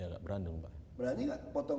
ya nggak berani pak berani nggak potong